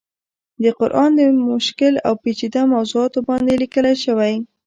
د قرآن د مشکل او پيچيده موضوعاتو باندې ليکلی شوی